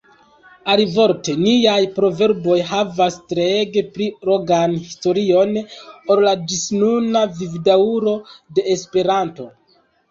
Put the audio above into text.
Alivorte, niaj proverboj havas treege pli longan historion ol la ĝisnuna vivdaŭro de Esperanto.